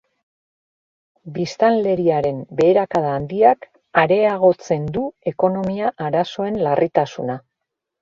Biztanleriaren beherakada handiak areagotzen du ekonomia arazoen larritasuna.